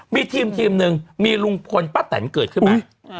มีทีมหนึ่งมีลุงพลป้าแตนเกิดขึ้นไหม